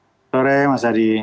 selamat sore mas adi